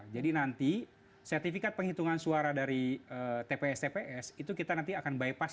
jadi nanti sertifikat penghitungan suara dari tps tps itu kita nanti akan bypass